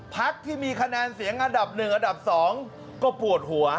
พักที่มีคะแนนเสียงอันดับ๑อันดับ๒ก็ปวดหัว